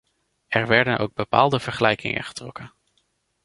Er werden ook bepaalde vergelijkingen getrokken.